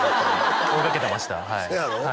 追いかけてましたせやろ？